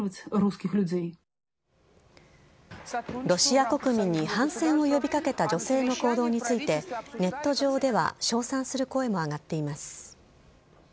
ロシア国民に反戦を呼びかけた女性の行動について、ネット上では称賛する声も上がっています。